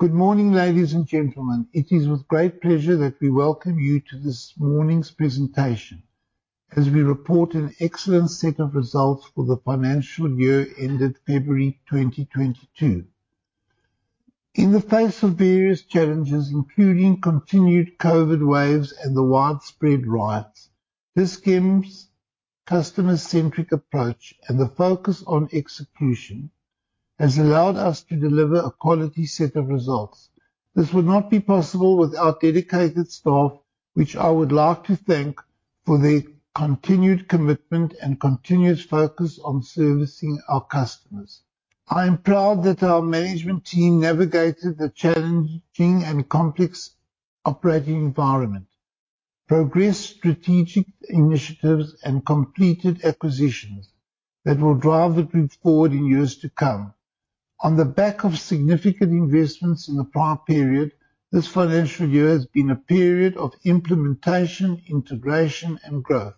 Good morning, ladies and gentlemen. It is with great pleasure that we welcome you to this morning's presentation as we report an excellent set of results for the financial year ended February 2022. In the face of various challenges, including continued COVID waves and the widespread riots, Dis-Chem's customer-centric approach and the focus on execution has allowed us to deliver a quality set of results. This would not be possible without dedicated staff, which I would like to thank for their continued commitment and continuous focus on servicing our customers. I am proud that our management team navigated the challenging and complex operating environment, progressed strategic initiatives and completed acquisitions that will drive the group forward in years to come. On the back of significant investments in the prior period, this financial year has been a period of implementation, integration and growth.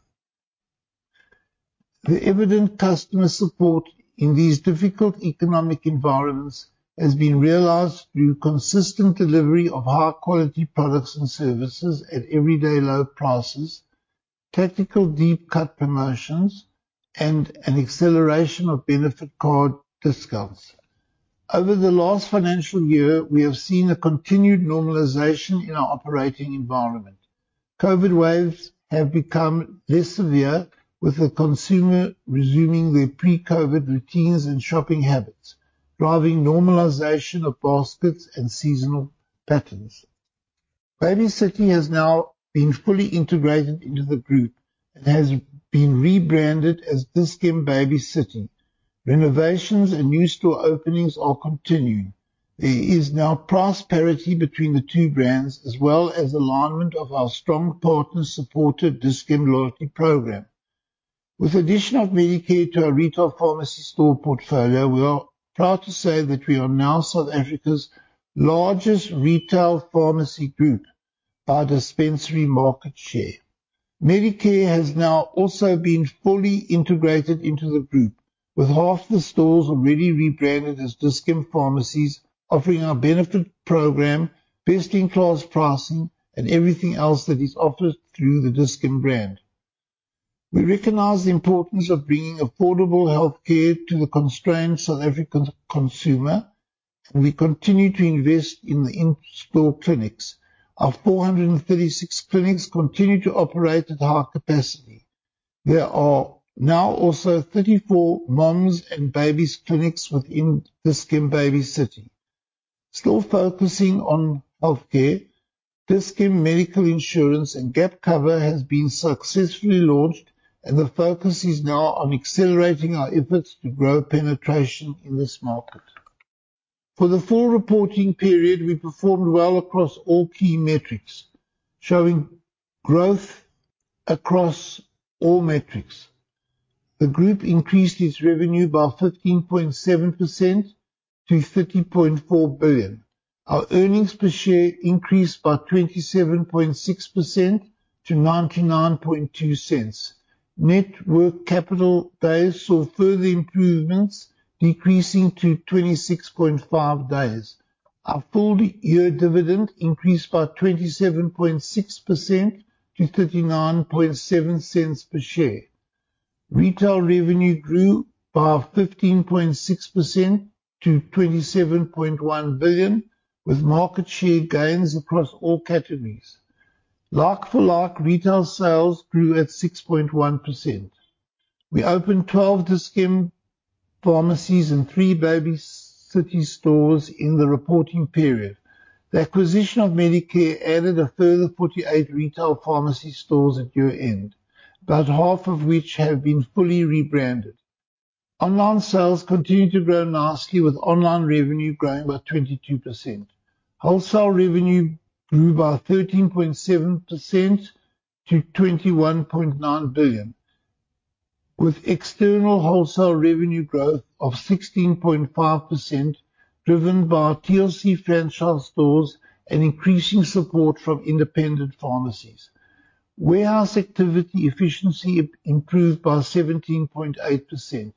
The evident customer support in these difficult economic environments has been realized through consistent delivery of high quality products and services at everyday low prices, tactical deep cut promotions, and an acceleration of benefit card discounts. Over the last financial year, we have seen a continued normalization in our operating environment. COVID waves have become less severe, with the consumer resuming their pre-COVID routines and shopping habits, driving normalization of baskets and seasonal patterns. Baby City has now been fully integrated into the group and has been rebranded as Dis-Chem Baby City. Renovations and new store openings are continuing. There is now price parity between the two brands as well as alignment of our strong partner supported Dis-Chem loyalty program. With addition of Medicare to our retail pharmacy store portfolio, we are proud to say that we are now South Africa's largest retail pharmacy group by dispensary market share. Medicare has now also been fully integrated into the group, with half the stores already rebranded as Dis-Chem Pharmacies, offering our benefit program, best in class pricing and everything else that is offered through the Dis-Chem brand. We recognize the importance of bringing affordable health care to the constrained South African consumer, and we continue to invest in the in-store clinics. Our 436 clinics continue to operate at high capacity. There are now also 34 moms and babies clinics within Dis-Chem Baby City. Still focusing on health care, Dis-Chem Health and gap cover has been successfully launched and the focus is now on accelerating our efforts to grow penetration in this market. For the full reporting period, we performed well across all key metrics, showing growth across all metrics. The group increased its revenue by 15.7% to 30.4 billion. Our earnings per share increased by 27.6% to 0.992. Net working capital days saw further improvements, decreasing to 26.5 days. Our full year dividend increased by 27.6% to 0.397 per share. Retail revenue grew by 15.6% to 27.1 billion, with market share gains across all categories. Like for like, retail sales grew at 6.1%. We opened 12 Dis-Chem pharmacies and 3 Baby City stores in the reporting period. The acquisition of Medicare added a further 48 retail pharmacy stores at year-end, about half of which have been fully rebranded. Online sales continued to grow nicely, with online revenue growing by 22%. Wholesale revenue grew by 13.7% to 21.9 billion, with external wholesale revenue growth of 16.5% driven by TLC franchise stores and increasing support from independent pharmacies. Warehouse activity efficiency improved by 17.8%.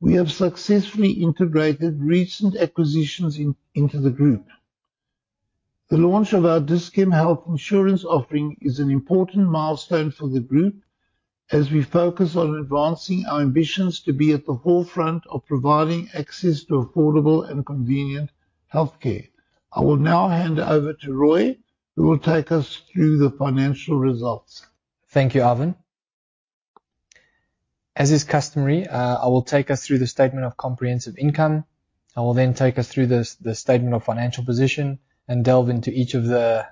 We have successfully integrated recent acquisitions into the group. The launch of our Dis-Chem Health insurance offering is an important milestone for the group as we focus on advancing our ambitions to be at the forefront of providing access to affordable and convenient health care. I will now hand over to Rui, who will take us through the financial results. Thank you, Ivan. As is customary, I will take us through the statement of comprehensive income. I will then take us through the statement of financial position and delve into each of the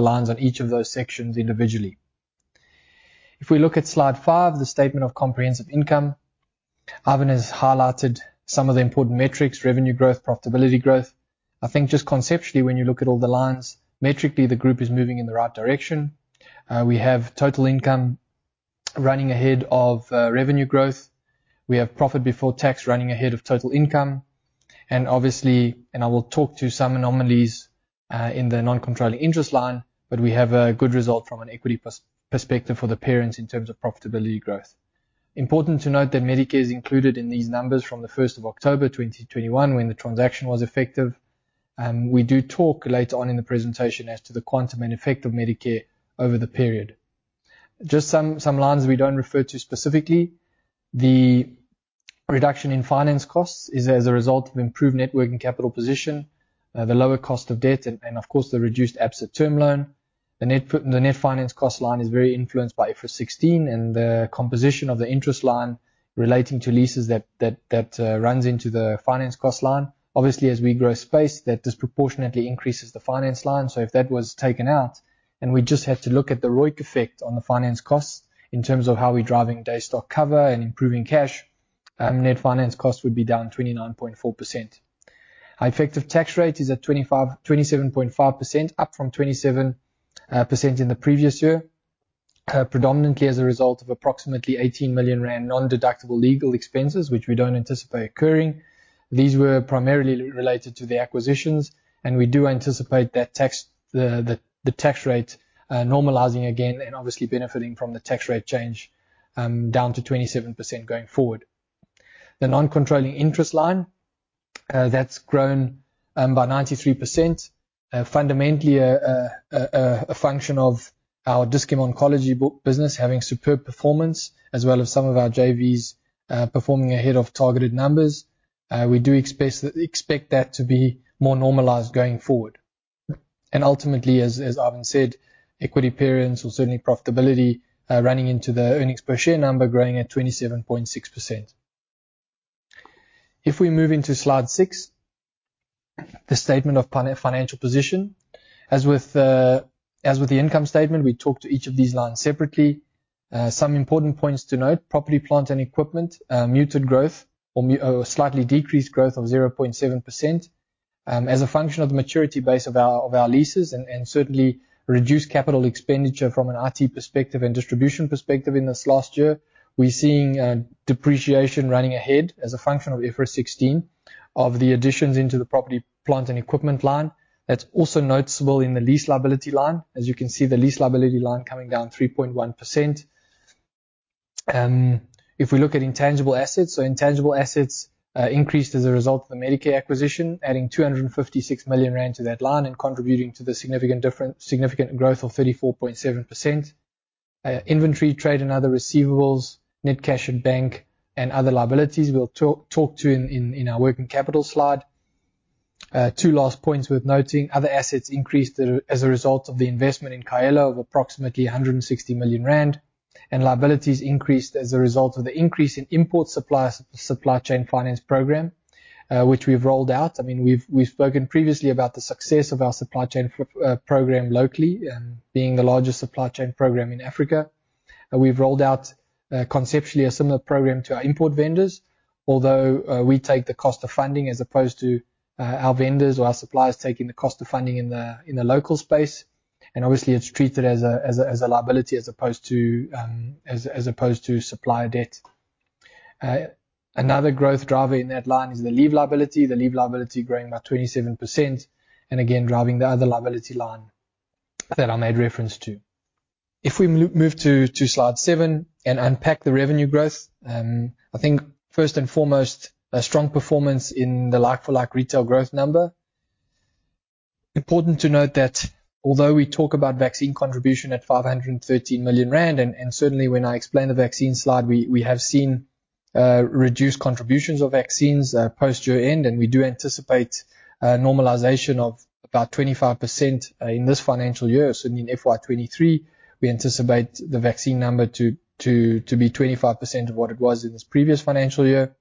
lines on each of those sections individually. If we look at slide 5, the statement of comprehensive income, Ivan has highlighted some of the important metrics, revenue growth, profitability growth. I think just conceptually, when you look at all the lines, metrically, the group is moving in the right direction. We have total income running ahead of revenue growth. We have profit before tax running ahead of total income. Obviously, I will talk to some anomalies in the non-controlling interest line. We have a good result from an equity perspective for the parents in terms of profitability growth. Important to note that Medicare is included in these numbers from the first of October 2021 when the transaction was effective. We do talk later on in the presentation as to the quantum and effect of Medicare over the period. Just some lines we don't refer to specifically. The reduction in finance costs is as a result of improved net working capital position, the lower cost of debt and, of course, the reduced Absa term loan. The net finance cost line is very influenced by IFRS 16 and the composition of the interest line relating to leases that runs into the finance cost line. Obviously, as we grow space, that disproportionately increases the finance line. If that was taken out and we just have to look at the ROIC effect on the finance costs in terms of how we're driving day stock cover and improving cash, net finance costs would be down 29.4%. Our effective tax rate is at 27.5%, up from 27% in the previous year. Predominantly as a result of approximately 18 million rand non-deductible legal expenses, which we don't anticipate occurring. These were primarily related to the acquisitions, and we do anticipate that the tax rate normalizing again and obviously benefiting from the tax rate change down to 27% going forward. The non-controlling interest line that's grown by 93%. Fundamentally a function of our Dis-Chem Oncology business having superb performance, as well as some of our JVs performing ahead of targeted numbers. We expect that to be more normalized going forward. Ultimately, as Ivan said, equity partners will certainly profitability, running into the earnings per share number growing at 27.6%. If we move into slide 6, the statement of financial position. As with the income statement, we talk to each of these lines separately. Some important points to note, property, plant, and equipment, muted growth or slightly decreased growth of 0.7%, as a function of the maturity base of our leases and certainly reduced capital expenditure from an IT perspective and distribution perspective in this last year. We're seeing depreciation running ahead as a function of IFRS 16 of the additions into the property, plant, and equipment line. That's also noticeable in the lease liability line. As you can see, the lease liability line coming down 3.1%. If we look at intangible assets. Intangible assets increased as a result of the Medicare acquisition, adding 256 million rand to that line and contributing to the significant growth of 34.7%. Inventory, trade, and other receivables, net cash and bank, and other liabilities we'll talk to in our working capital slide. Two last points worth noting. Other assets increased as a result of the investment in Kaela of approximately 160 million rand, and liabilities increased as a result of the increase in supply chain finance program, which we've rolled out. I mean, we've spoken previously about the success of our supply chain program locally, being the largest supply chain program in Africa. We've rolled out conceptually a similar program to our import vendors. Although we take the cost of funding as opposed to our vendors or our suppliers taking the cost of funding in the local space. Obviously, it's treated as a liability as opposed to supplier debt. Another growth driver in that line is the leave liability. The leave liability growing by 27%, and again, driving the other liability line that I made reference to. If we move to slide seven and unpack the revenue growth, I think first and foremost, a strong performance in the like-for-like retail growth number. Important to note that although we talk about vaccine contribution at 513 million rand, and certainly when I explain the vaccine slide, we have seen reduced contributions of vaccines post year-end, and we do anticipate a normalization of about 25% in this financial year. In FY 2023, we anticipate the vaccine number to be 25% of what it was in this previous financial year.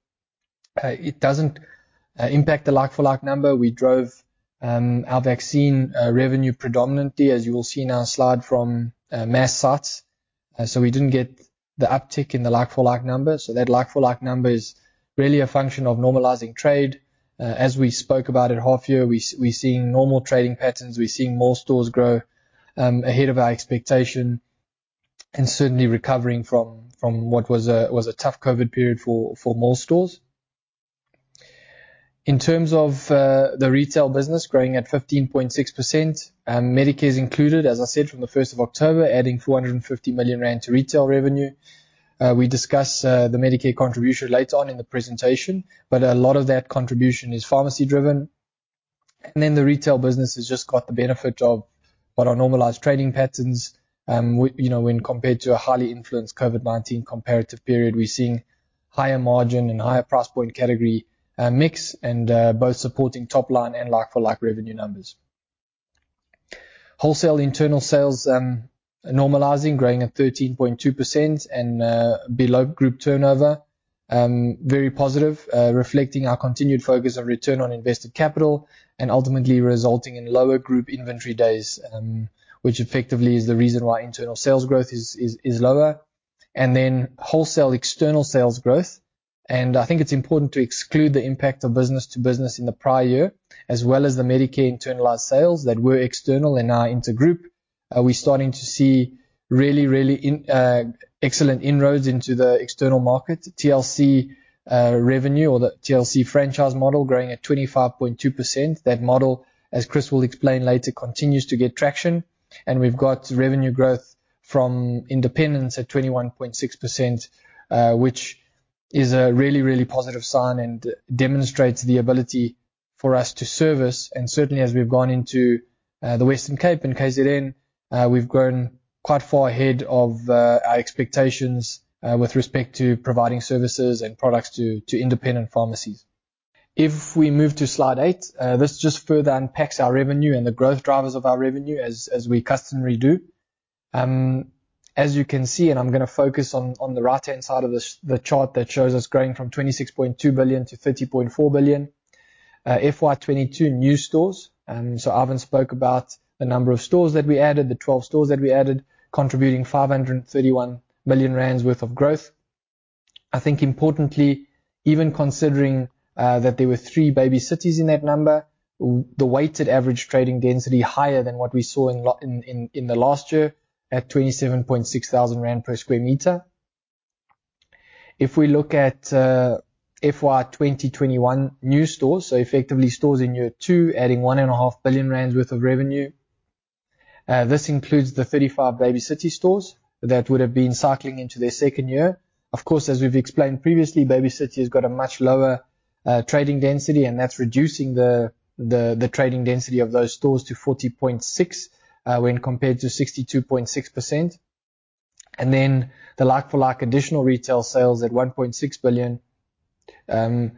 It doesn't impact the like-for-like number. We drove our vaccine revenue predominantly, as you will see in our slide from mass sites. We didn't get the uptick in the like-for-like numbers. That like-for-like number is really a function of normalizing trade. As we spoke about at half year, we're seeing normal trading patterns, we're seeing more stores grow ahead of our expectation, and certainly recovering from what was a tough COVID period for more stores. In terms of the retail business growing at 15.6%, Medicare is included, as I said, from the first of October, adding 450 million rand to retail revenue. We discuss the Medicare contribution later on in the presentation, but a lot of that contribution is pharmacy driven. The retail business has just got the benefit of what our normalized trading patterns, you know, when compared to a highly influenced COVID-19 comparative period. We're seeing higher margin and higher price point category mix, and both supporting top-line and like-for-like revenue numbers. Wholesale internal sales normalizing, growing at 13.2% and below group turnover. Very positive, reflecting our continued focus on return on invested capital and ultimately resulting in lower group inventory days, which effectively is the reason why internal sales growth is lower. Wholesale external sales growth. I think it's important to exclude the impact of business to business in the prior year, as well as the Medicare internalized sales that were external and now inter-group. We're starting to see really excellent inroads into the external market. TLC revenue or the TLC franchise model growing at 25.2%. That model, as Chris will explain later, continues to get traction, and we've got revenue growth from independents at 21.6%, which is a really, really positive sign and demonstrates the ability for us to service. Certainly, as we've gone into the Western Cape and KZN, we've grown quite far ahead of our expectations with respect to providing services and products to independent pharmacies. If we move to slide 8, this just further unpacks our revenue and the growth drivers of our revenue as we customarily do. As you can see, I'm gonna focus on the right-hand side of the chart that shows us growing from 26.2 billion to 30.4 billion. FY 2022 new stores. Ivan spoke about the number of stores that we added, the 12 stores that we added, contributing 531 million rand worth of growth. I think importantly, even considering that there were three Baby Cities in that number, the weighted average trading density higher than what we saw in the last year at 27.6 thousand rand per square meter. If we look at FY 2021 new stores, so effectively stores in year two, adding 1.5 billion rand worth of revenue. This includes the 35 Baby City stores that would have been cycling into their second year. Of course, as we've explained previously, Baby City has got a much lower trading density, and that's reducing the trading density of those stores to 40.6% when compared to 62.6%. The like-for-like additional retail sales at 1.6 billion,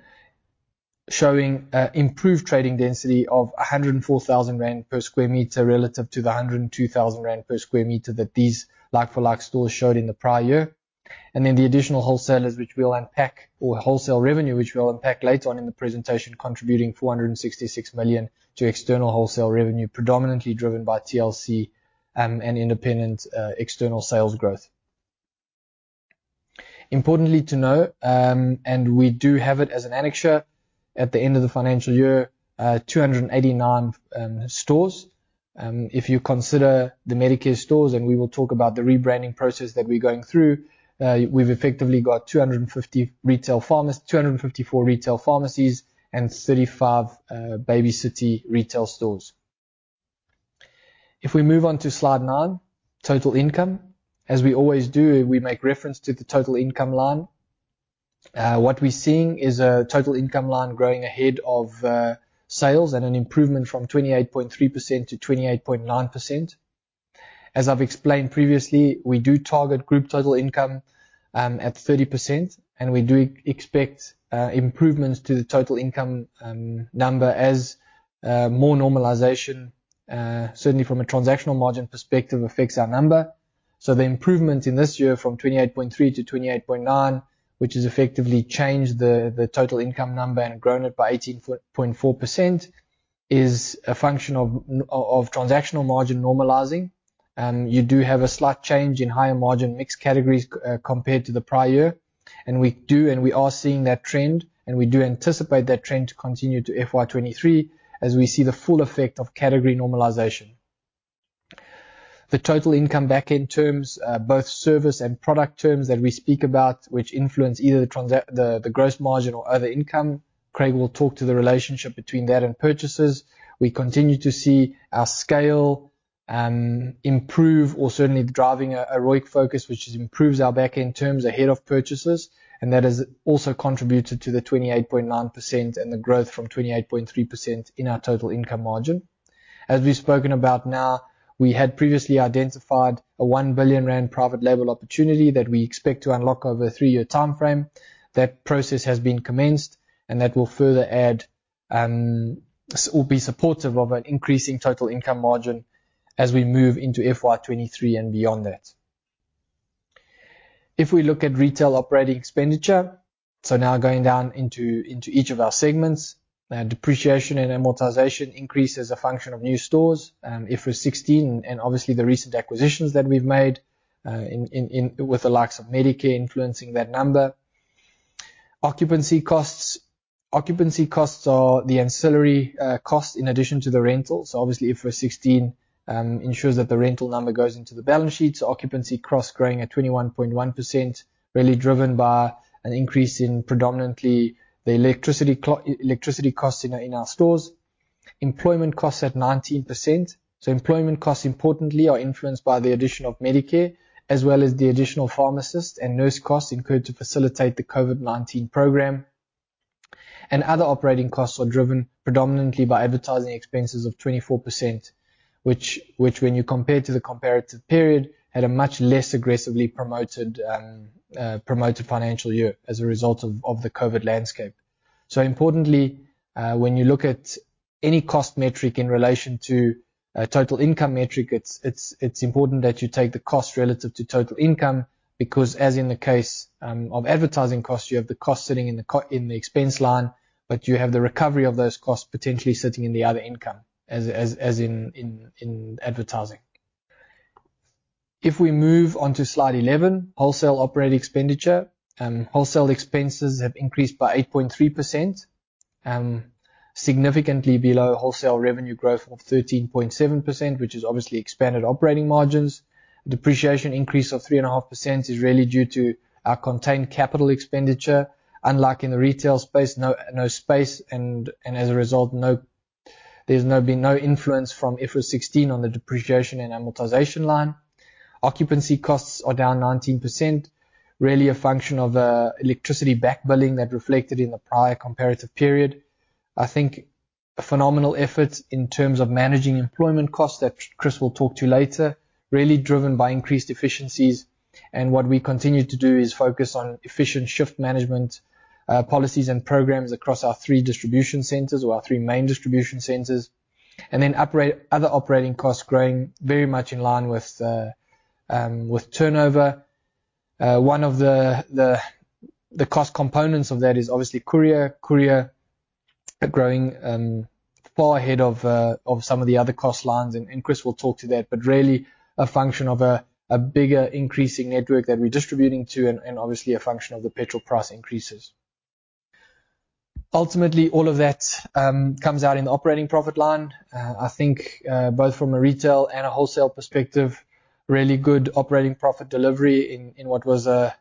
showing improved trading density of 104,000 rand per square meter relative to the 102,000 rand per square meter that these like-for-like stores showed in the prior year. The additional wholesale revenue, which we'll unpack later on in the presentation, contributing 466 million to external wholesale revenue, predominantly driven by TLC and independent external sales growth. Importantly to note, we do have it as an annexure at the end of the financial year, 289 stores. If you consider the Medicare stores, and we will talk about the rebranding process that we're going through, we've effectively got 254 retail pharmacies and 35 Baby City retail stores. If we move on to slide 9, total income. As we always do, we make reference to the total income line. What we're seeing is a total income line growing ahead of sales and an improvement from 28.3% to 28.9%. As I've explained previously, we do target group total income at 30%, and we do expect improvements to the total income number as more normalization certainly from a transactional margin perspective affects our number. The improvement in this year from 28.3 to 28.9, which has effectively changed the total income number and grown it by 18.4%, is a function of transactional margin normalizing. You do have a slight change in higher margin mixed categories compared to the prior year. We are seeing that trend, and we do anticipate that trend to continue to FY 2023, as we see the full effect of category normalization. The total income back end terms, both service and product terms that we speak about, which influence either the gross margin or other income. Craig will talk to the relationship between that and purchases. We continue to see our scale improve or certainly driving a ROIC focus, which improves our back end terms ahead of purchases. That has also contributed to the 28.9% and the growth from 28.3% in our total income margin. As we've spoken about now, we had previously identified a 1 billion rand profit level opportunity that we expect to unlock over a three-year timeframe. That process has been commenced, and that will further add or be supportive of an increasing total income margin as we move into FY 2023 and beyond that. If we look at retail operating expenditure, so now going down into each of our segments. Depreciation and amortization increase as a function of new stores, IFRS 16 and obviously the recent acquisitions that we've made, with the likes of Medicare influencing that number. Occupancy costs. Occupancy costs are the ancillary costs in addition to the rentals. Obviously, IFRS 16 ensures that the rental number goes into the balance sheets. Occupancy costs growing at 21.1%, really driven by an increase in predominantly the electricity costs in our stores. Employment costs at 19%. Employment costs importantly are influenced by the addition of Medicare, as well as the additional pharmacists and nurse costs incurred to facilitate the COVID-19 program. Other operating costs are driven predominantly by advertising expenses of 24% which, when you compare to the comparative period, had a much less aggressively promoted financial year as a result of the COVID landscape. Importantly, when you look at any cost metric in relation to a total income metric, it's important that you take the cost relative to total income because as in the case of advertising costs, you have the cost sitting in the expense line, but you have the recovery of those costs potentially sitting in the other income as in advertising. If we move on to slide 11, wholesale operating expenditure. Wholesale expenses have increased by 8.3%, significantly below wholesale revenue growth of 13.7%, which is obviously expanded operating margins. Depreciation increase of 3.5% is really due to our contained capital expenditure, unlike in the retail space. As a result, there's no influence from IFRS 16 on the depreciation and amortization line. Occupancy costs are down 19%, really a function of electricity back billing that reflected in the prior comparative period. I think a phenomenal effort in terms of managing employment costs that Chris will talk to later, really driven by increased efficiencies. What we continue to do is focus on efficient shift management policies and programs across our 3 distribution centers or our 3 main distribution centers. Other operating costs growing very much in line with turnover. One of the cost components of that is obviously courier. Courier growing far ahead of some of the other cost lines, and Chris will talk to that, but really a function of a bigger increasing network that we're distributing to and obviously a function of the petrol price increases. Ultimately, all of that comes out in the operating profit line. I think both from a retail and a wholesale perspective, really good operating profit delivery in what was a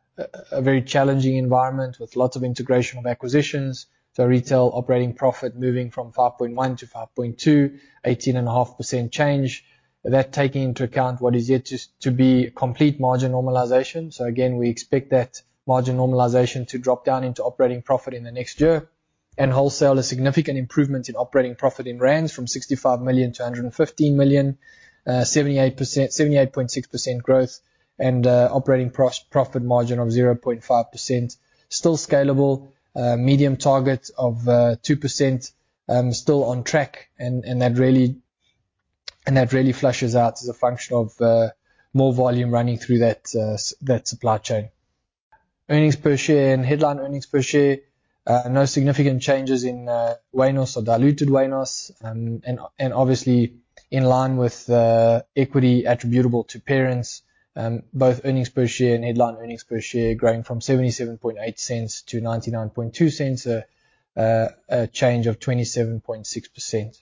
very challenging environment with lots of integration of acquisitions. Retail operating profit moving from 5.1-5.2, 18.5% change. That taking into account what is yet to be complete margin normalization. Again, we expect that margin normalization to drop down into operating profit in the next year. Wholesale, a significant improvement in operating profit in rand from 65 million to 115 million, 78.6% growth and operating profit margin of 0.5%. Still scalable, medium-term target of 2%, still on track. That really fleshes out as a function of more volume running through that supply chain. Earnings per share and headline earnings per share, no significant changes in WANOS or diluted WANOS. Obviously in line with equity attributable to parent, both earnings per share and headline earnings per share growing from 0.778 to 0.992, a change of 27.6%.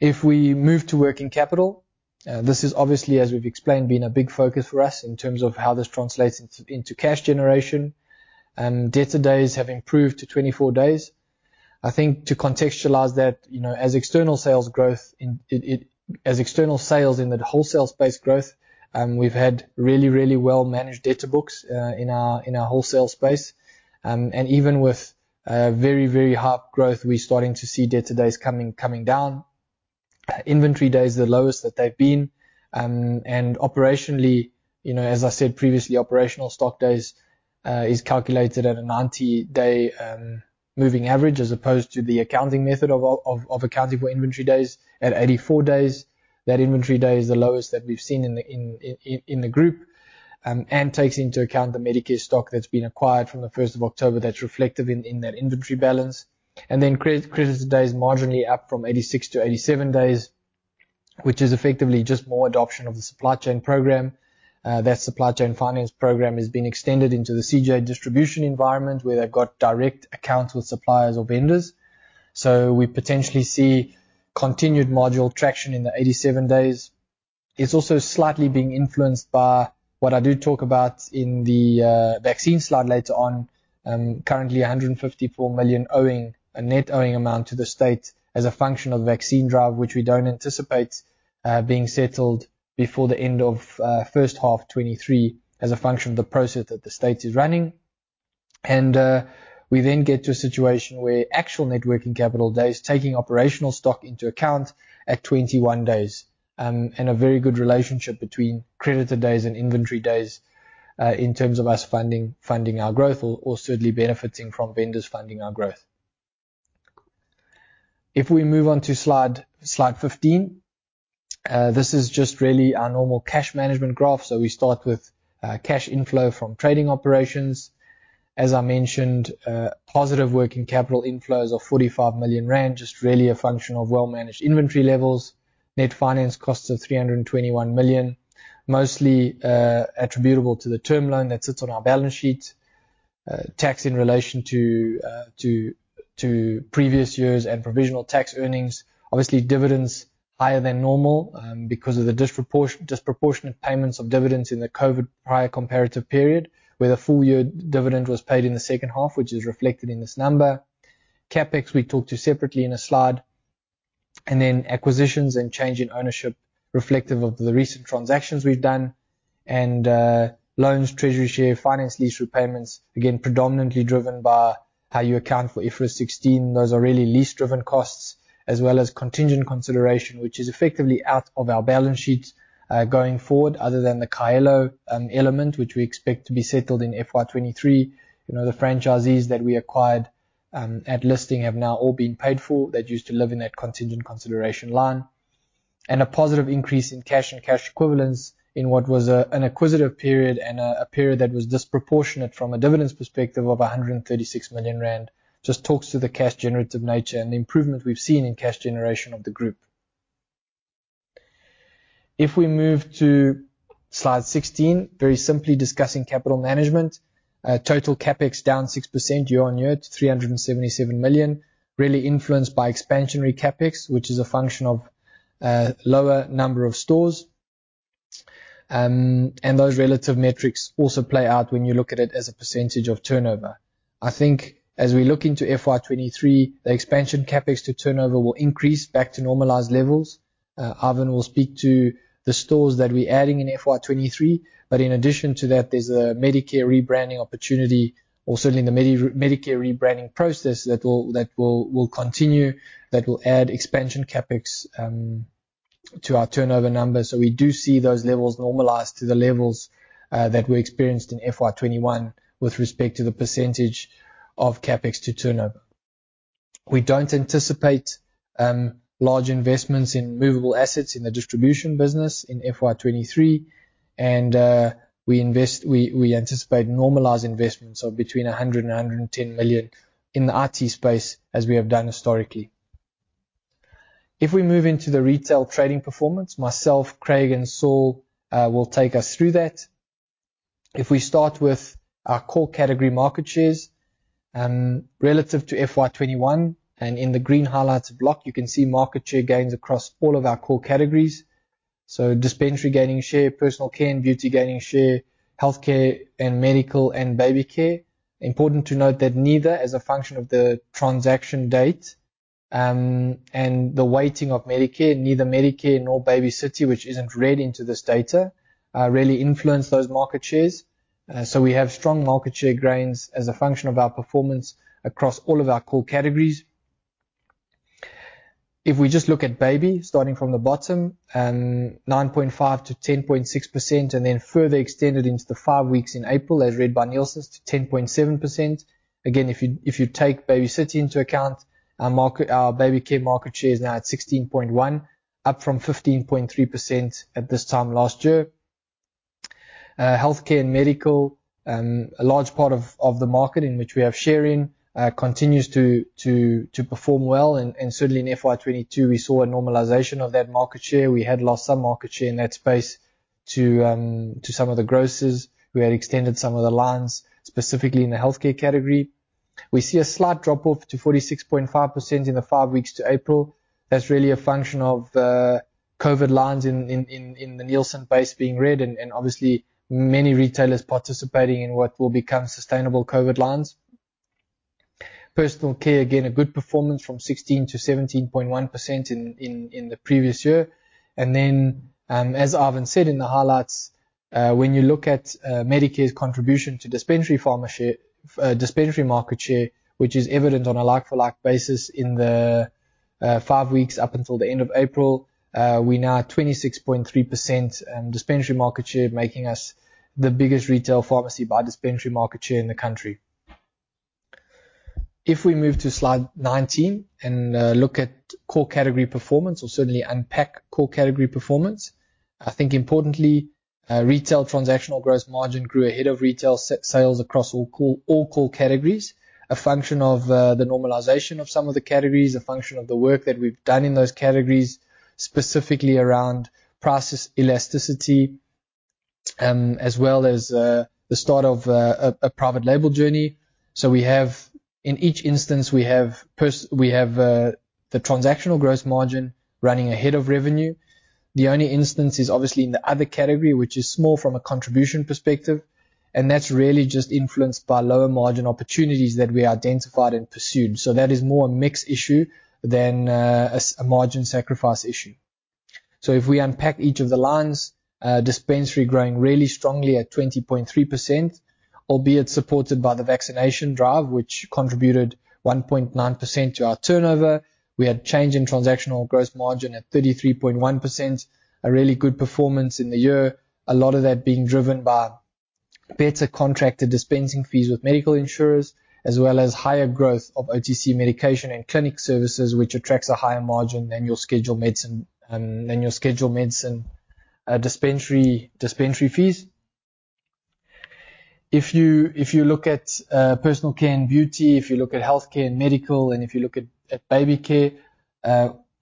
If we move to working capital, this is obviously, as we've explained, been a big focus for us in terms of how this translates into cash generation. Debtor days have improved to 24 days. I think to contextualize that, you know, as external sales in the wholesale space growth, we've had really well-managed debtor books in our wholesale space. Even with very high growth, we're starting to see debtor days coming down. Inventory days the lowest that they've been. Operationally, you know, as I said previously, operational stock days is calculated at a 90-day moving average as opposed to the accounting method of accounted inventory days at 84 days. That inventory days is the lowest that we've seen in the group and takes into account the Medicare stock that's been acquired from the first of October that's reflected in that inventory balance. Then creditor days marginally up from 86 to 87 days, which is effectively just more adoption of the supply chain program. That supply chain finance program has been extended into the CJ Distribution environment where they've got direct accounts with suppliers or vendors. We potentially see continued modest traction in the 87 days. It's also slightly being influenced by what I do talk about in the vaccine slide later on. Currently 154 million owing, a net owing amount to the state as a function of vaccine drive, which we don't anticipate being settled before the end of first half 2023 as a function of the process that the state is running. We then get to a situation where actual net working capital days taking operational stock into account at 21 days, and a very good relationship between creditor days and inventory days in terms of us funding our growth or certainly benefiting from vendors funding our growth. If we move on to slide 15. This is just really our normal cash management graph. We start with cash inflow from trading operations. As I mentioned, positive working capital inflows of 45 million rand, just really a function of well-managed inventory levels. Net finance costs of 321 million, mostly attributable to the term loan that sits on our balance sheet. Tax in relation to previous years and provisional tax earnings. Obviously, dividends higher than normal because of the disproportionate payments of dividends in the COVID prior comparative period, where the full year dividend was paid in the second half, which is reflected in this number. CapEx, we talked to separately in a slide. Acquisitions and change in ownership reflective of the recent transactions we've done. Loans, treasury share, finance lease repayments, again, predominantly driven by how you account for IFRS 16. Those are really lease-driven costs as well as contingent consideration, which is effectively out of our balance sheet going forward, other than the Kaelo element, which we expect to be settled in FY 2023. You know, the franchisees that we acquired at listing have now all been paid for. That used to live in that contingent consideration line. A positive increase in cash and cash equivalents in what was an acquisitive period and a period that was disproportionate from a dividends perspective of 136 million rand just talks to the cash generative nature and the improvement we've seen in cash generation of the group. If we move to slide 16, very simply discussing capital management. Total CapEx down 6% year-on-year to 377 million, really influenced by expansionary CapEx, which is a function of lower number of stores. Those relative metrics also play out when you look at it as a percentage of turnover. I think as we look into FY 2023, the expansion CapEx to turnover will increase back to normalized levels. Ivan will speak to the stores that we're adding in FY 2023, but in addition to that, there's a Medicare rebranding opportunity or certainly in the Medicare rebranding process that will continue that will add expansion CapEx to our turnover numbers. We do see those levels normalize to the levels that we experienced in FY 2021 with respect to the percentage of CapEx to turnover. We don't anticipate large investments in movable assets in the distribution business in FY 2023 and we anticipate normalized investments of between 100 million and 110 million in the IT space as we have done historically. If we move into the retail trading performance, myself, Craig and Saul, will take us through that. If we start with our core category market shares, relative to FY 2021 and in the green highlighted block, you can see market share gains across all of our core categories. Dispensary gaining share, personal care and beauty gaining share, healthcare and medical, and baby care. Important to note that, as a function of the transaction date and the weighting of Medicare, neither Medicare nor Baby City, which isn't read into this data, really influence those market shares. We have strong market share gains as a function of our performance across all of our core categories. If we just look at baby starting from the bottom, 9.5%-10.6% and then further extended into the five weeks in April as read by Nielsen to 10.7%. Again, if you take Baby City into account, our baby care market share is now at 16.1%, up from 15.3% at this time last year. Healthcare and medical, a large part of the market in which we have share in, continues to perform well. Certainly in FY 2022, we saw a normalization of that market share. We had lost some market share in that space to some of the grocers. We had extended some of the lines, specifically in the healthcare category. We see a slight drop off to 46.5% in the 5 weeks to April. That's really a function of the COVID lines in the Nielsen base being read and obviously many retailers participating in what will become sustainable COVID lines. Personal care, again, a good performance from 16 to 17.1% in the previous year. As Ivan said in the highlights, when you look at Medicare's contribution to dispensary market share, which is evident on a like-for-like basis in the 5 weeks up until the end of April, we now at 26.3% in dispensary market share, making us the biggest retail pharmacy by dispensary market share in the country. If we move to slide 19 and look at core category performance or certainly unpack core category performance, I think importantly, retail transactional gross margin grew ahead of retail sales across all core categories. A function of the normalization of some of the categories, a function of the work that we've done in those categories, specifically around price elasticity, as well as the start of a private label journey. In each instance, we have the transactional gross margin running ahead of revenue. The only instance is obviously in the other category, which is small from a contribution perspective, and that's really just influenced by lower margin opportunities that we identified and pursued. That is more a mix issue than a margin sacrifice issue. If we unpack each of the lines, dispensary growing really strongly at 20.3%, albeit supported by the vaccination drive, which contributed 1.9% to our turnover. We had change in transactional gross margin at 33.1%. A really good performance in the year. A lot of that being driven by better contracted dispensing fees with medical insurers, as well as higher growth of OTC medication and clinic services, which attracts a higher margin than your scheduled medicine, dispensary fees. If you look at personal care and beauty, if you look at healthcare and medical, and if you look at baby care,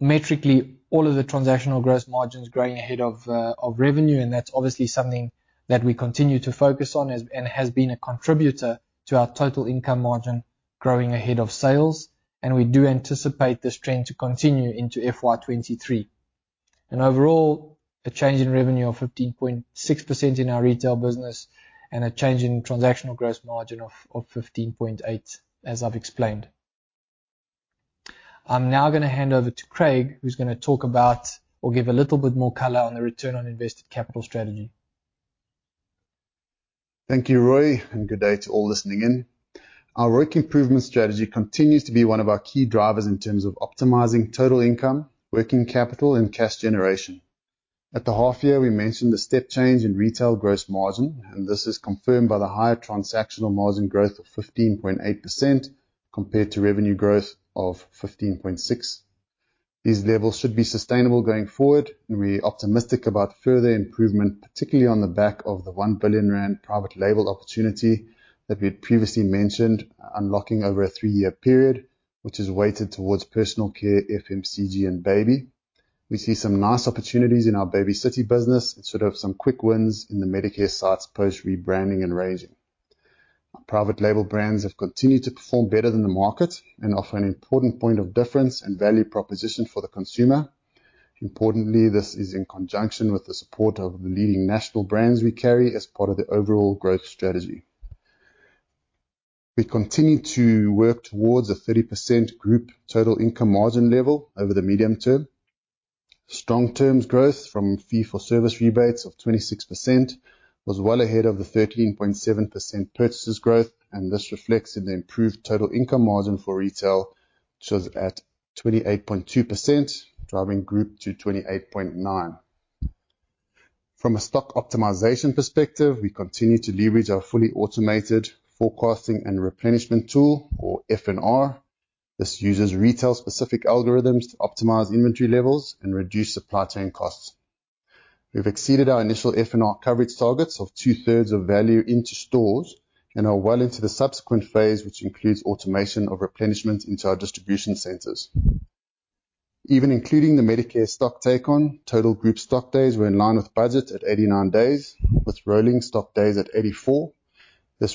metrically all of the transactional gross margins growing ahead of revenue. That's obviously something that we continue to focus on and has been a contributor to our total income margin growing ahead of sales. We do anticipate this trend to continue into FY 2023. Overall, a change in revenue of 15.6% in our retail business and a change in transactional gross margin of 15.8%, as I've explained. I'm now gonna hand over to Craig, who's gonna talk about or give a little bit more color on the return on invested capital strategy. Thank you, Rui, and good day to all listening in. Our work improvement strategy continues to be one of our key drivers in terms of optimizing total income, working capital and cash generation. At the half year, we mentioned the step change in retail gross margin, and this is confirmed by the higher transactional margin growth of 15.8% compared to revenue growth of 15.6%. These levels should be sustainable going forward, and we're optimistic about further improvement, particularly on the back of the 1 billion rand private label opportunity that we had previously mentioned unlocking over a 3-year period. Which is weighted towards personal care FMCG and baby. We see some nice opportunities in our Baby City business and sort of some quick wins in the Medicare sites post rebranding and ranging. Our private label brands have continued to perform better than the market and offer an important point of difference and value proposition for the consumer. Importantly, this is in conjunction with the support of the leading national brands we carry as part of the overall growth strategy. We continue to work towards a 30% group total income margin level over the medium term. Strong terms growth from fee for service rebates of 26% was well ahead of the 13.7% purchases growth, and this reflects in the improved total income margin for retail, which was at 28.2%, driving group to 28.9%. From a stock optimization perspective, we continue to leverage our fully automated forecasting and replenishment tool or F&R. This uses retail specific algorithms to optimize inventory levels and reduce supply chain costs. We've exceeded our initial F&R coverage targets of two-thirds of value into stores and are well into the subsequent phase, which includes automation of replenishment into our distribution centers. Even including the Medicare stock take on, total group stock days were in line with budget at 89 days, with rolling stock days at 84. This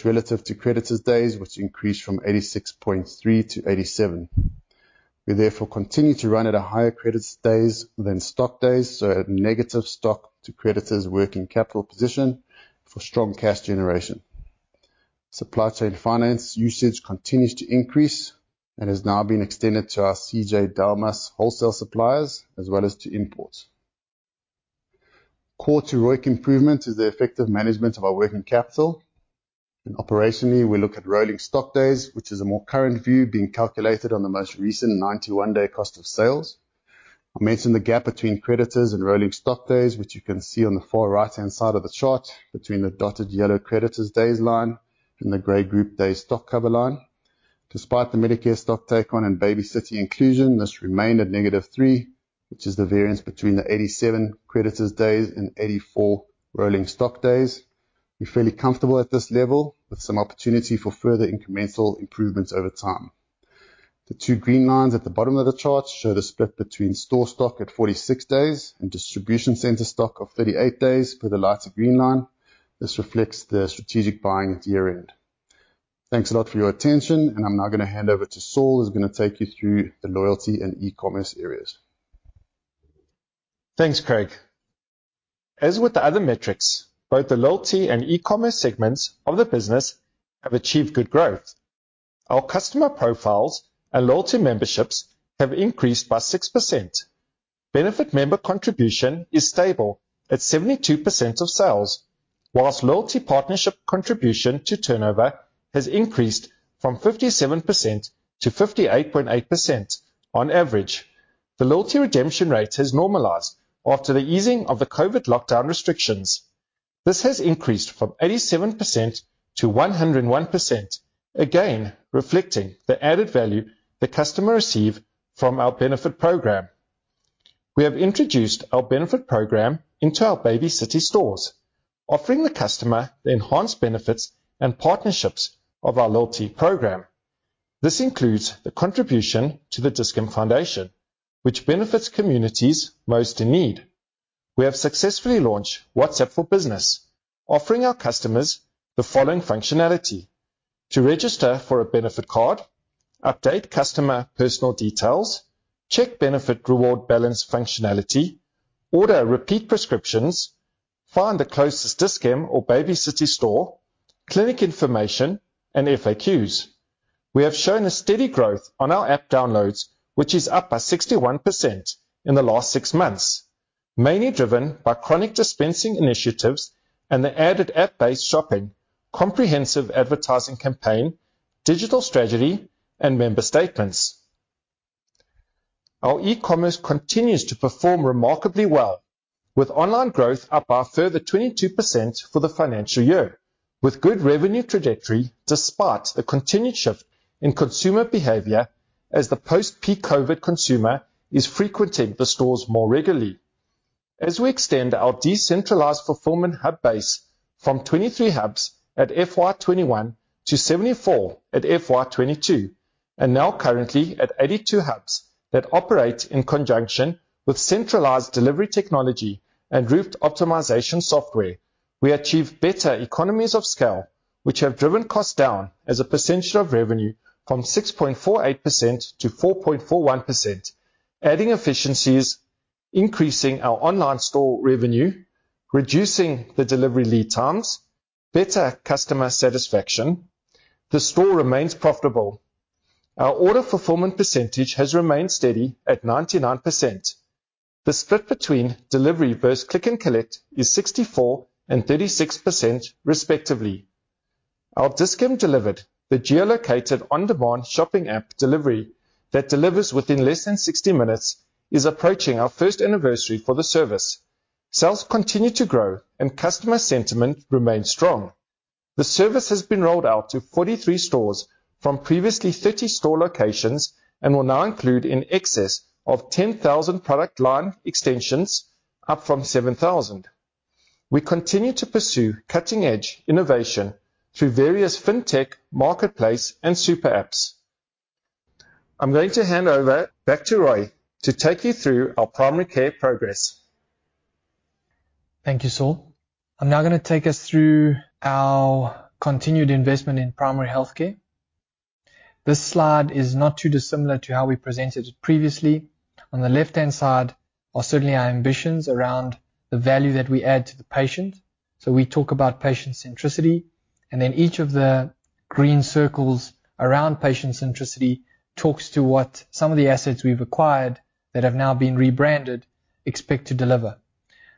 relative to creditors days which increased from 86.3 to 87. We therefore continue to run at a higher creditors days than stock days, so at negative stock to creditors working capital position for strong cash generation. Supply chain finance usage continues to increase and has now been extended to our CJ Delmas wholesale suppliers as well as to imports. Core to ROIC improvement is the effective management of our working capital and operationally, we look at rolling stock days, which is a more current view being calculated on the most recent 91-day cost of sales. I mentioned the gap between creditors and rolling stock days, which you can see on the far right-hand side of the chart between the dotted yellow creditors days line and the gray group day stock cover line. Despite the Medicare stock take on and Baby City inclusion, this remained at -3, which is the variance between the 87 creditors days and 84 rolling stock days. We're fairly comfortable at this level with some opportunity for further incremental improvements over time. The two green lines at the bottom of the chart show the split between store stock at 46 days and distribution center stock of 38 days for the lighter green line. This reflects the strategic buying at year-end. Thanks a lot for your attention, and I'm now gonna hand over to Saul, who's gonna take you through the loyalty and e-commerce areas. Thanks, Craig. As with the other metrics, both the loyalty and e-commerce segments of the business have achieved good growth. Our customer profiles and loyalty memberships have increased by 6%. Benefit member contribution is stable at 72% of sales, whilst loyalty partnership contribution to turnover has increased from 57% to 58.8% on average. The loyalty redemption rate has normalized after the easing of the COVID lockdown restrictions. This has increased from 87% to 101%, again reflecting the added value the customer receive from our benefit program. We have introduced our benefit program into our Baby City stores, offering the customer the enhanced benefits and partnerships of our loyalty program. This includes the contribution to the Dis-Chem Foundation, which benefits communities most in need. We have successfully launched WhatsApp for business, offering our customers the following functionality, to register for a benefit card, update customer personal details, check benefit reward balance functionality, order repeat prescriptions, find the closest Dis-Chem or Baby City store, clinic information and FAQs. We have shown a steady growth on our app downloads, which is up by 61% in the last six months, mainly driven by chronic dispensing initiatives and the added app-based shopping, comprehensive advertising campaign, digital strategy and member statements. Our e-commerce continues to perform remarkably well with online growth up by a further 22% for the financial year, with good revenue trajectory despite the continued shift in consumer behavior as the post peak COVID consumer is frequenting the stores more regularly. As we extend our decentralized fulfillment hub base from 23 hubs at FY 2021 to 74 at FY 2022 and now currently at 82 hubs that operate in conjunction with centralized delivery technology and route optimization software. We achieve better economies of scale, which have driven costs down as a percentage of revenue from 6.48% to 4.41%, adding efficiencies, increasing our online store revenue, reducing the delivery lead times, better customer satisfaction. The store remains profitable. Our order fulfillment percentage has remained steady at 99%. The split between delivery versus Click & Collect is 64 and 36% respectively. Our Dis-Chem DeliverD, the geolocated on-demand shopping app delivery that delivers within less than 60 minutes, is approaching our first anniversary for the service. Sales continue to grow and customer sentiment remains strong. The service has been rolled out to 43 stores from previously 30 store locations and will now include in excess of 10,000 product line extensions, up from 7,000. We continue to pursue cutting-edge innovation through various fintech marketplace and super apps. I'm going to hand over back to Rui to take you through our primary care progress. Thank you, Saul. I'm now gonna take us through our continued investment in primary healthcare. This slide is not too dissimilar to how we presented previously. On the left-hand side are certainly our ambitions around the value that we add to the patient. So we talk about patient centricity, and then each of the green circles around patient centricity talks to what some of the assets we've acquired that have now been rebranded expect to deliver.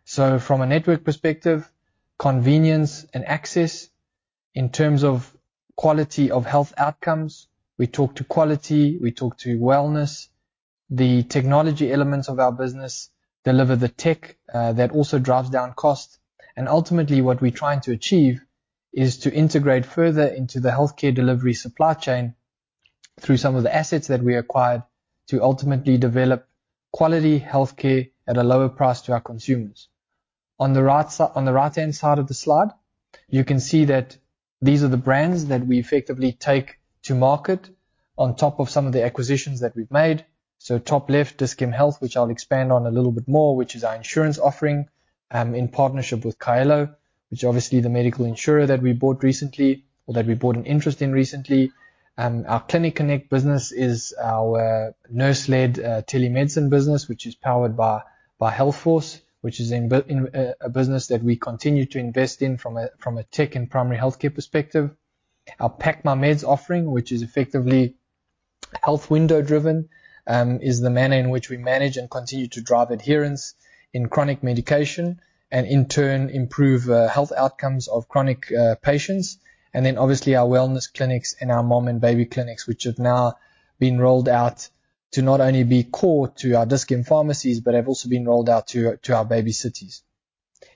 So from a network perspective, convenience and access in terms of quality of health outcomes, we talk to quality, we talk to wellness. The technology elements of our business deliver the tech that also drives down cost. Ultimately, what we're trying to achieve is to integrate further into the healthcare delivery supply chain through some of the assets that we acquired, to ultimately develop quality healthcare at a lower price to our consumers. On the right-hand side of the slide, you can see that these are the brands that we effectively take to market on top of some of the acquisitions that we've made. Top left, Dis-Chem Health, which I'll expand on a little bit more, which is our insurance offering, in partnership with Kaelo, which obviously the medical insurer that we bought recently or that we bought an interest in recently. Our Clinic Connect business is our nurse-led telemedicine business, which is powered by Healthforce, which is in a business that we continue to invest in from a tech and primary healthcare perspective. Our Pack My Meds offering, which is effectively Health Window driven, is the manner in which we manage and continue to drive adherence in chronic medication and in turn improve health outcomes of chronic patients. Obviously our wellness clinics and our mom and baby clinics, which have now been rolled out to not only be core to our Dis-Chem Pharmacies, but have also been rolled out to our Baby City.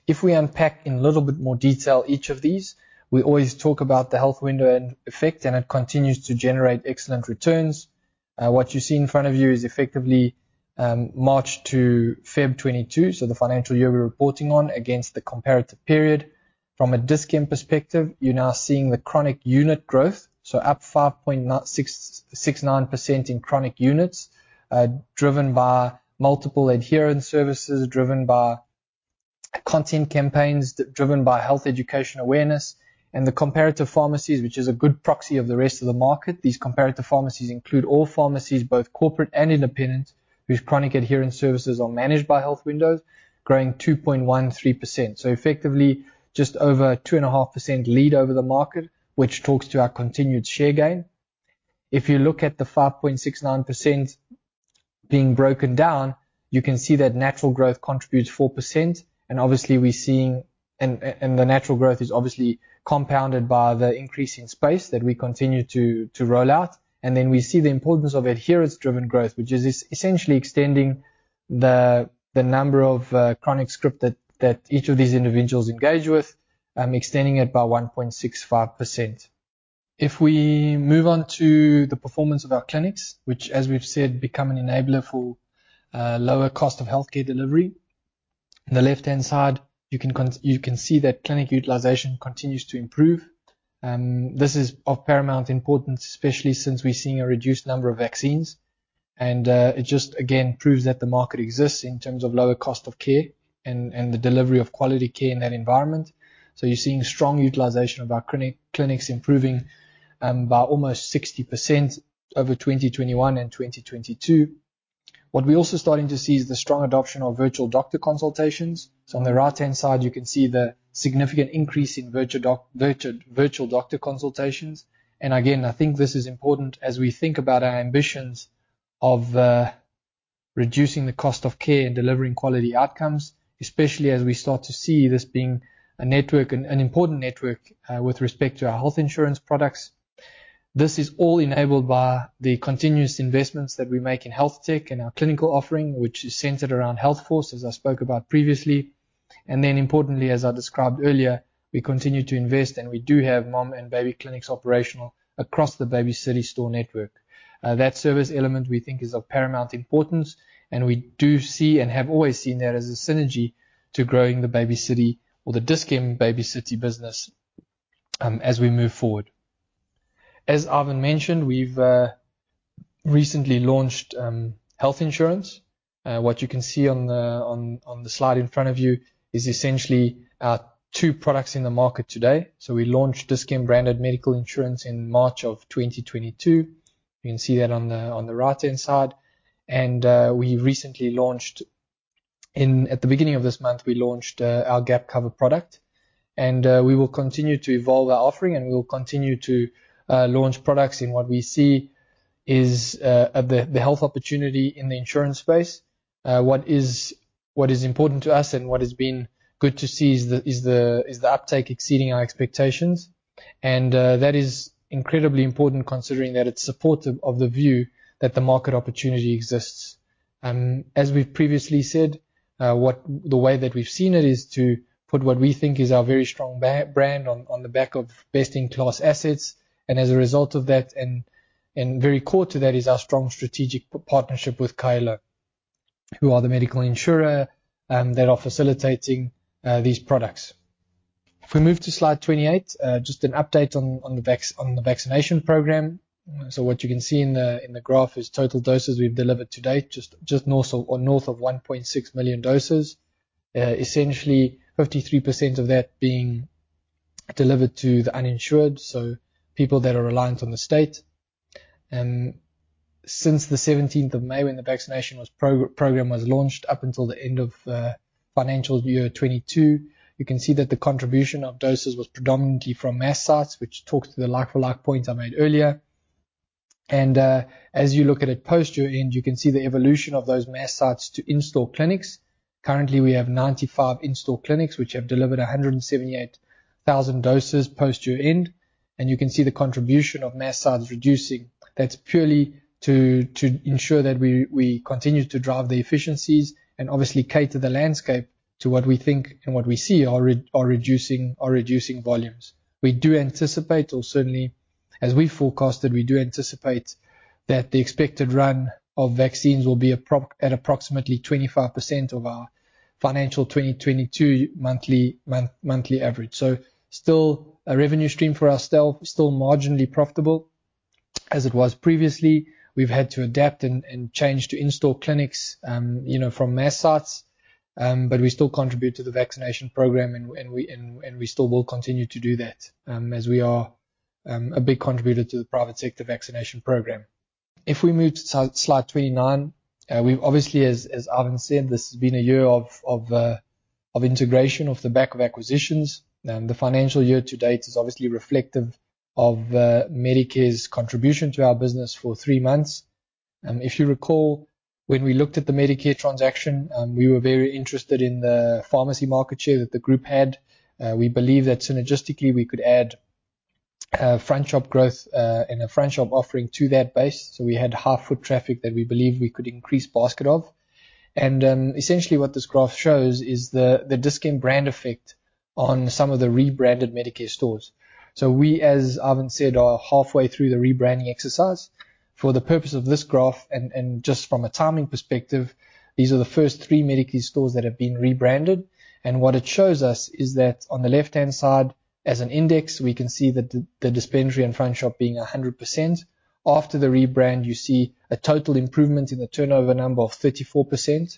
If we unpack in a little bit more detail each of these, we always talk about the Health Window and effect, and it continues to generate excellent returns. What you see in front of you is effectively March to February 2022, so the financial year we're reporting on against the comparative period. From a Dis-Chem perspective, you're now seeing the chronic unit growth, so up 5.69% in chronic units, driven by multiple adherence services, driven by content campaigns, driven by health education awareness and the comparative pharmacies, which is a good proxy of the rest of the market. These comparative pharmacies include all pharmacies, both corporate and independent, whose chronic adherence services are managed by Health Window growing 2.13%. So effectively just over 2.5% lead over the market, which talks to our continued share gain. If you look at the 5.69% being broken down, you can see that natural growth contributes 4%. Obviously we're seeing. The natural growth is obviously compounded by the increase in space that we continue to roll out. Then we see the importance of adherence-driven growth, which is essentially extending the number of chronic script that each of these individuals engage with, extending it by 1.65%. If we move on to the performance of our clinics, which as we've said become an enabler for lower cost of healthcare delivery. On the left-hand side, you can see that clinic utilization continues to improve. This is of paramount importance, especially since we're seeing a reduced number of vaccines. It just again proves that the market exists in terms of lower cost of care and the delivery of quality care in that environment. You're seeing strong utilization of our clinics improving by almost 60% over 2021 and 2022. What we're also starting to see is the strong adoption of virtual doctor consultations. On the right-hand side you can see the significant increase in virtual doctor consultations. Again, I think this is important as we think about our ambitions of reducing the cost of care and delivering quality outcomes, especially as we start to see this being a network, an important network with respect to our health insurance products. This is all enabled by the continuous investments that we make in health tech and our clinical offering, which is centered around Healthforce, as I spoke about previously. Importantly, as I described earlier, we continue to invest and we do have mom and baby clinics operational across the Baby City store network. That service element we think is of paramount importance, and we do see and have always seen that as a synergy to growing the Baby City or the Dis-Chem Baby City business, as we move forward. As Ivan mentioned, we've recently launched health insurance. What you can see on the slide in front of you is essentially our two products in the market today. We launched Dis-Chem branded medical insurance in March 2022. You can see that on the right-hand side. We recently launched our gap cover product at the beginning of this month. We will continue to evolve our offering and we will continue to launch products in what we see is the health opportunity in the insurance space. What is important to us and what has been good to see is the uptake exceeding our expectations. That is incredibly important considering that it's supportive of the view that the market opportunity exists. As we've previously said, the way that we've seen it is to put what we think is our very strong brand on the back of best-in-class assets. As a result of that, very core to that is our strong strategic partnership with Kaelo, who are the medical insurer that are facilitating these products. If we move to slide 28, just an update on the vaccination program. What you can see in the graph is total doses we've delivered to date, just north of 1.6 million doses. Essentially 53% of that being delivered to the uninsured, so people that are reliant on the state. Since the seventeenth of May, when the vaccination program was launched, up until the end of financial year 2022, you can see that the contribution of doses was predominantly from mass sites, which talks to the like-for-like point I made earlier. As you look at it post year-end, you can see the evolution of those mass sites to in-store clinics. Currently, we have 95 in-store clinics, which have delivered 178,000 doses post year-end, and you can see the contribution of mass sites reducing. That's purely to ensure that we continue to drive the efficiencies and obviously cater the landscape to what we think and what we see are reducing volumes. We do anticipate or certainly as we forecasted, we do anticipate that the expected run of vaccines will be at approximately 25% of our financial 2022 monthly average. So still a revenue stream for ourself, still marginally profitable as it was previously. We've had to adapt and change to in-store clinics, you know, from mass sites. We still contribute to the vaccination program, and we still will continue to do that, as we are a big contributor to the private sector vaccination program. If we move to slide 29, we've obviously, as Ivan said, this has been a year of integration, off the back of acquisitions. The financial year to date is obviously reflective of Medicare's contribution to our business for 3 months. If you recall, when we looked at the Medicare transaction, we were very interested in the pharmacy market share that the group had. We believe that synergistically we could add front shop growth, and a front shop offering to that base. We had half foot traffic that we believe we could increase basket of. Essentially what this graph shows is the Dis-Chem brand effect on some of the rebranded Medicare stores. We, as Ivan said, are halfway through the rebranding exercise. For the purpose of this graph and just from a timing perspective, these are the first three Medicare stores that have been rebranded. What it shows us is that on the left-hand side as an index, we can see the dispensary and front shop being 100%. After the rebrand, you see a total improvement in the turnover number of 34%.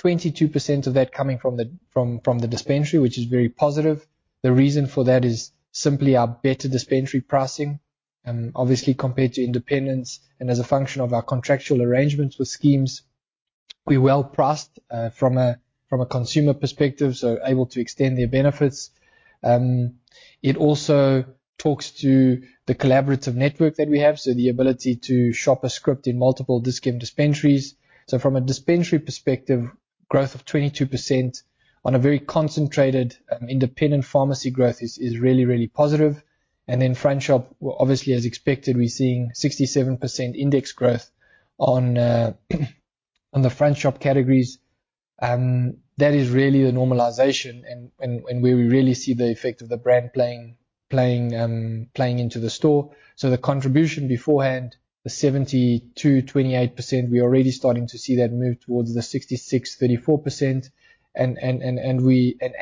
22% of that coming from the dispensary, which is very positive. The reason for that is simply our better dispensary pricing. Obviously compared to independents and as a function of our contractual arrangements with schemes, we're well priced from a consumer perspective, so able to extend their benefits. It also talks to the collaborative network that we have, so the ability to shop a script in multiple Dis-Chem dispensaries. From a dispensary perspective, growth of 22% on a very concentrated independent pharmacy growth is really positive. Then front shop, well, obviously, as expected, we're seeing 67% index growth on the front shop categories. That is really the normalization and where we really see the effect of the brand playing into the store. The contribution beforehand, the 72%, 28%, we are really starting to see that move towards the 66%, 34%.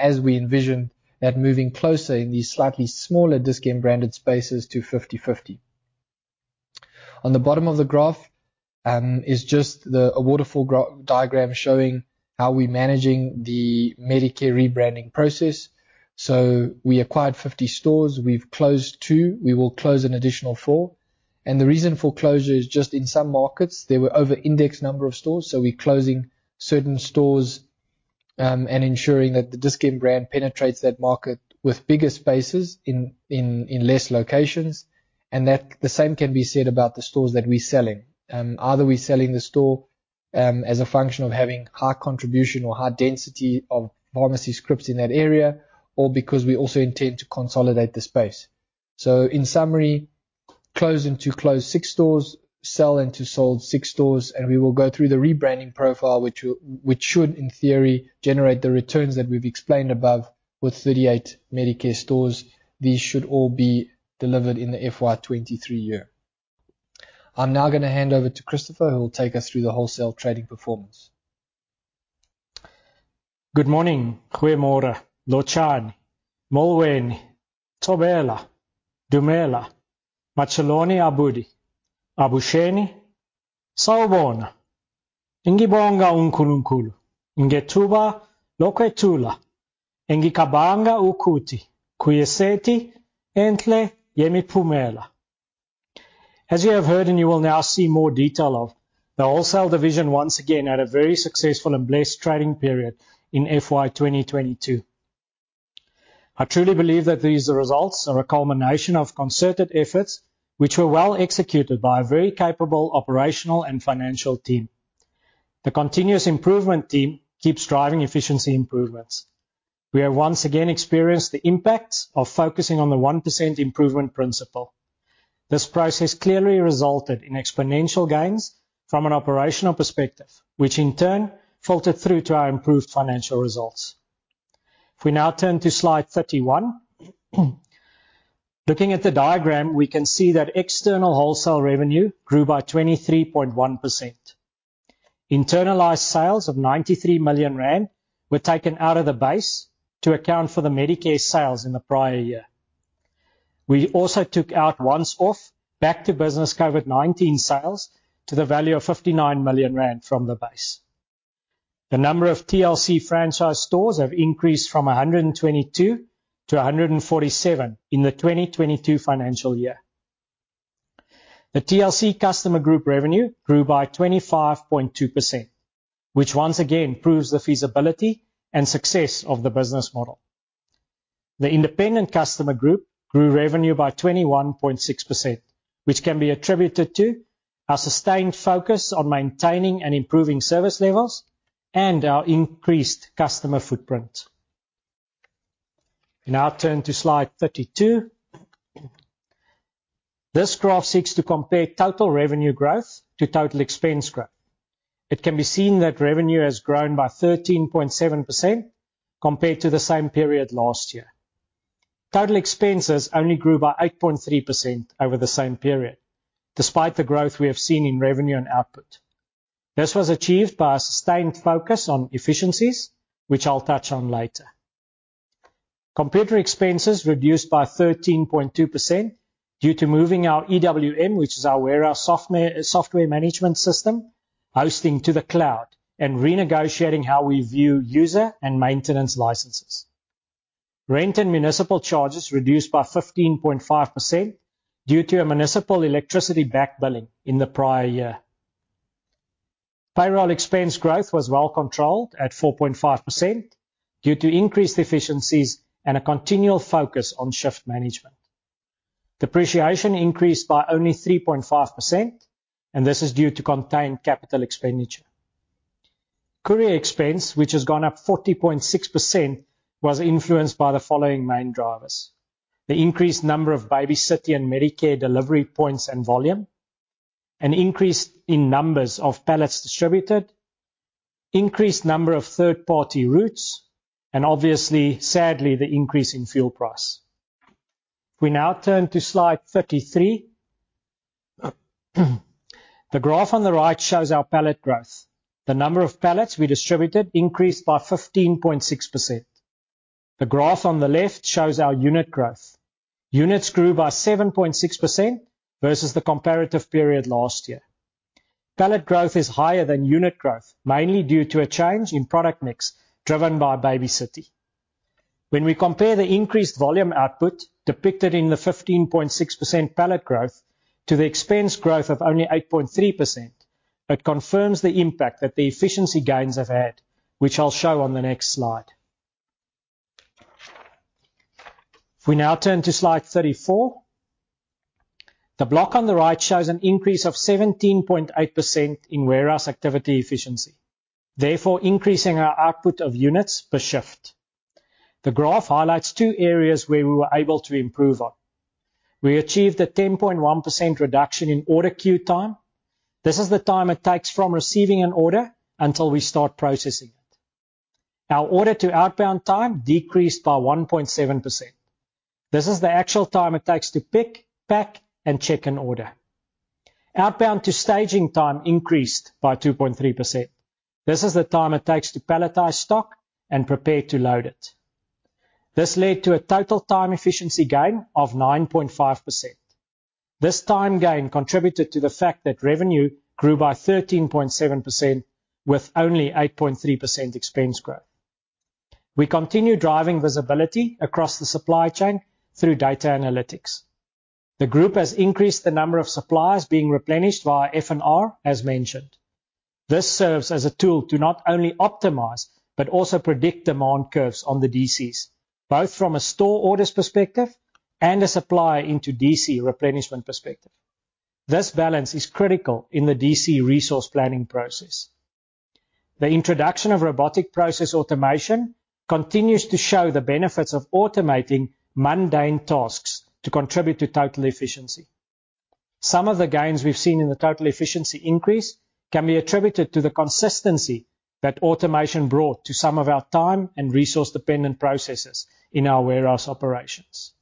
As we envision that moving closer in these slightly smaller Dis-Chem branded spaces to 50/50. On the bottom of the graph is just a waterfall diagram showing how we're managing the Medicare rebranding process. We acquired 50 stores, we've closed 2. We will close an additional 4. The reason for closure is just in some markets, there were over-indexed number of stores. We're closing certain stores and ensuring that the Dis-Chem brand penetrates that market with bigger spaces in less locations. That the same can be said about the stores that we're selling. Either we're selling the store as a function of having high contribution or high density of pharmacy scripts in that area, or because we also intend to consolidate the space. In summary, closing to close six stores, selling to sold six stores, and we will go through the rebranding profile which should, in theory, generate the returns that we've explained above with 38 Medicare stores. These should all be delivered in the FY 2023 year. I'm now gonna hand over to Christopher, who will take us through the wholesale trading performance. Good morning. Goeie more. Loluchane. Molweni. Thobela. Dumela. Matshalonyane a bohi. Abusheni. Sawubona. Ngibonga kunkulu. Ngithoba lokwethula. Ngikabanga ukuthi kuyisethi enhle yemiphumela. As you have heard and you will now see more detail of, the wholesale division once again had a very successful and blessed trading period in FY 2022. I truly believe that these results are a culmination of concerted efforts which were well executed by a very capable operational and financial team. The continuous improvement team keeps driving efficiency improvements. We have once again experienced the impacts of focusing on the 1% improvement principle. This process clearly resulted in exponential gains from an operational perspective, which in turn filtered through to our improved financial results. If we now turn to slide 31 looking at the diagram, we can see that external wholesale revenue grew by 23.1%. Internalized sales of 93 million rand were taken out of the base to account for the Medicare sales in the prior year. We also took out once-off back-to-business COVID-19 sales to the value of 59 million rand from the base. The number of TLC franchise stores has increased from 122 to 147 in the 2022 financial year. The TLC customer group revenue grew by 25.2%, which once again proves the feasibility and success of the business model. The independent customer group grew revenue by 21.6%, which can be attributed to our sustained focus on maintaining and improving service levels and our increased customer footprint. We now turn to slide 32. This graph seeks to compare total revenue growth to total expense growth. It can be seen that revenue has grown by 13.7% compared to the same period last year. Total expenses only grew by 8.3% over the same period, despite the growth we have seen in revenue and output. This was achieved by a sustained focus on efficiencies, which I'll touch on later. Computer expenses reduced by 13.2% due to moving our EWM, which is our warehouse software management system, hosting to the cloud and renegotiating how we view user and maintenance licenses. Rent and municipal charges reduced by 15.5% due to a municipal electricity back billing in the prior year. Payroll expense growth was well controlled at 4.5% due to increased efficiencies and a continual focus on shift management. Depreciation increased by only 3.5%, and this is due to contained capital expenditure. Courier expense, which has gone up 40.6%, was influenced by the following main drivers, the increased number of Baby City and Medicare delivery points and volume, an increase in numbers of pallets distributed, increased number of third-party routes, and obviously sadly, the increase in fuel price. If we now turn to slide 33. The graph on the right shows our pallet growth. The number of pallets we distributed increased by 15.6%. The graph on the left shows our unit growth. Units grew by 7.6% versus the comparative period last year. Pallet growth is higher than unit growth, mainly due to a change in product mix driven by Baby City. When we compare the increased volume output depicted in the 15.6% pallet growth to the expense growth of only 8.3%, it confirms the impact that the efficiency gains have had, which I'll show on the next slide. If we now turn to slide 34. The block on the right shows an increase of 17.8% in warehouse activity efficiency, therefore increasing our output of units per shift. The graph highlights two areas where we were able to improve on. We achieved a 10.1% reduction in order queue time. This is the time it takes from receiving an order until we start processing it. Our order to outbound time decreased by 1.7%. This is the actual time it takes to pick, pack, and check an order. Outbound to staging time increased by 2.3%. This is the time it takes to palletize stock and prepare to load it. This led to a total time efficiency gain of 9.5%. This time gain contributed to the fact that revenue grew by 13.7% with only 8.3% expense growth. We continue driving visibility across the supply chain through data analytics. The group has increased the number of suppliers being replenished via F&R as mentioned. This serves as a tool to not only optimize, but also predict demand curves on the DCs, both from a store orders perspective and a supply into DC replenishment perspective. This balance is critical in the DC resource planning process. The introduction of robotic process automation continues to show the benefits of automating mundane tasks to contribute to total efficiency. Some of the gains we've seen in the total efficiency increase can be attributed to the consistency that automation brought to some of our time and resource dependent processes in our warehouse operations.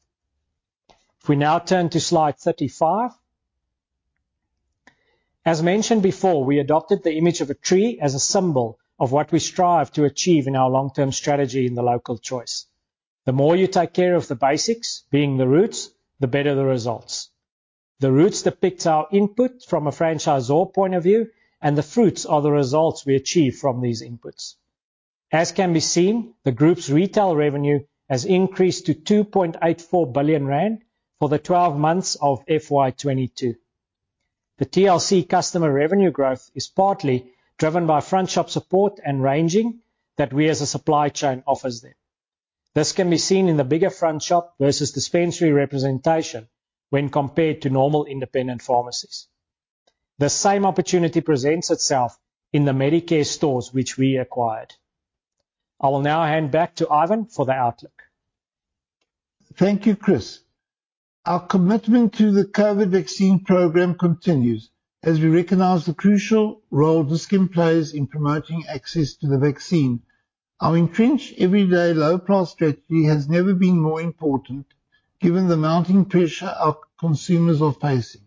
If we now turn to slide 35. As mentioned before, we adopted the image of a tree as a symbol of what we strive to achieve in our long-term strategy in The Local Choice. The more you take care of the basics, being the roots, the better the results. The roots depicts our input from a franchisor point of view, and the fruits are the results we achieve from these inputs. As can be seen, the group's retail revenue has increased to 2.84 billion rand for the twelve months of FY 2022. The TLC customer revenue growth is partly driven by front shop support and ranging that we as a supply chain offers them. This can be seen in the bigger front shop versus dispensary representation when compared to normal independent pharmacies. The same opportunity presents itself in the Medicare stores which we acquired. I will now hand back to Ivan for the outlook. Thank you, Christopher. Our commitment to the COVID vaccine program continues as we recognize the crucial role Dis-Chem plays in promoting access to the vaccine. Our entrenched everyday low price strategy has never been more important given the mounting pressure our consumers are facing.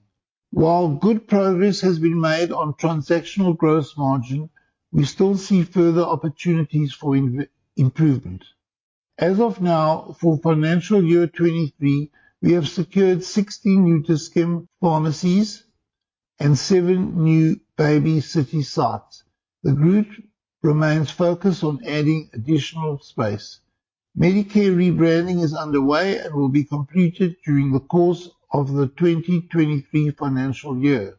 While good progress has been made on transactional growth margin, we still see further opportunities for inventory improvement. As of now, for financial year 2023, we have secured 16 new Dis-Chem pharmacies and seven new Baby City sites. The group remains focused on adding additional space. Medicare rebranding is underway and will be completed during the course of the 2023 financial year.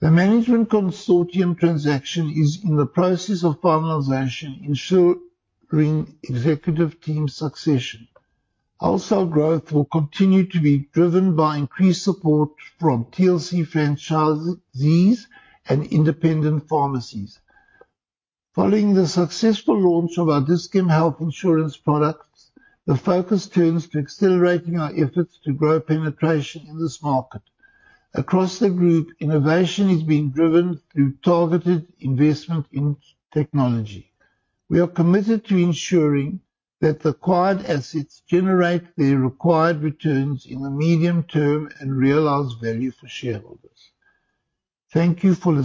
The management consortium transaction is in the process of finalization, ensuring executive team succession. Wholesale growth will continue to be driven by increased support from TLC franchisees and independent pharmacies. Following the successful launch of our Dis-Chem health insurance products, the focus turns to accelerating our efforts to grow penetration in this market. Across the group, innovation is being driven through targeted investment in technology. We are committed to ensuring that the acquired assets generate the required returns in the medium term and realize value for shareholders. Thank you for listening.